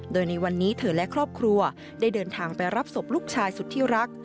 โดยในวันนี้เธอและครอบครัวได้เดินทางไปรับศพลูกชายสุดที่รัก